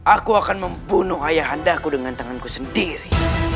aku akan membunuh ayah anda aku dengan tanganku sendiri